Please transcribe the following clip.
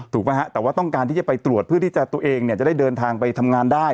ฮะแต่ว่าต้องการที่จะไปตรวจเพื่อที่จะตัวเองเนี่ยจะได้เดินทางไปทำงานได้